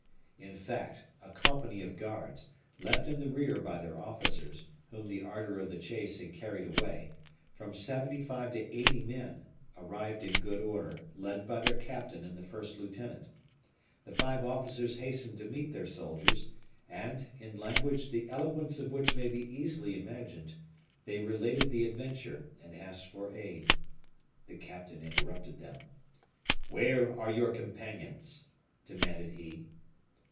In fact, a company of guards, left in the rear by their officers, whom the ardor of the chase had carried away from seventy five to eighty men arrived in good order, led by their captain and the first lieutenant. The five officers hastened to meet their soldiers; and, in language the eloquence of which may be easily imagined, they related the adventure, and asked for aid. The captain interrupted them. "Where are your companions?" demanded he.